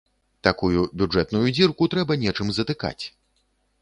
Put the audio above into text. Такую бюджэтную дзірку трэба нечым затыкаць.